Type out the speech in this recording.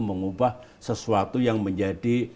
mengubah sesuatu yang menjadi